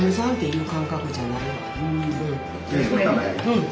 うん。